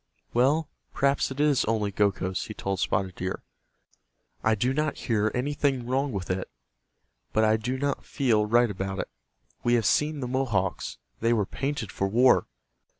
"Well, perhaps it is only Gokhos," he told Spotted Deer, "I do not hear anything wrong with it, but I do not feel right about it. We have seen the Mohawks. They were painted for war.